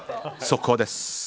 速報です。